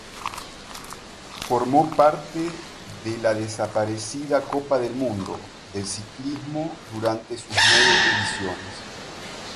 Formó parte de la desaparecida Copa del Mundo de Ciclismo durante sus nueve ediciones.